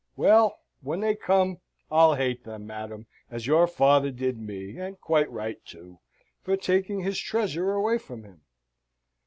"Well, when they come, I'll hate them, madam, as your father did me; and quite right too, for taking his treasure away from him."